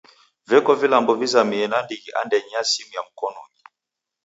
Veko vilambo vizamie nandighi andenyi ya simu ya mkonunyi.